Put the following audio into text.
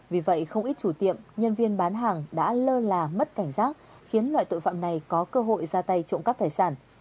vì vậy không ít chủ tiệm nhân viên bán hàng đã lơ là mất cảnh giác khiến loại tội phạm này có cơ hội ra tay trộm cắp tài sản